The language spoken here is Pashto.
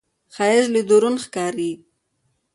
ښایست له درون ښکاري